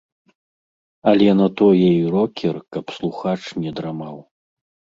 Але на тое і рокер, каб слухач не драмаў.